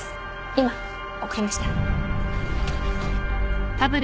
今送りました。